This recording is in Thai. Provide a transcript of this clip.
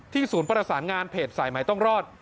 ศูนย์ประสานงานเพจสายใหม่ต้องรอด